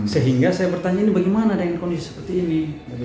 sehingga saya bertanya ini bagaimana dengan kondisi seperti ini